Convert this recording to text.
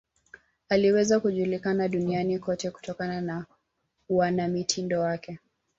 aliweza kujulikana duniani kote kutokana na uanamitindo wake